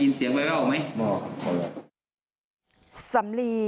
มีเสียงมีอะไรอาหารบ้าน